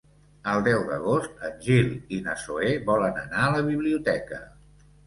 El deu d'agost en Gil i na Zoè volen anar a la biblioteca.